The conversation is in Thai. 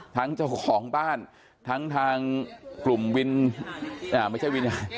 เจ้าของบ้านทั้งทางกลุ่มวินไม่ใช่วิน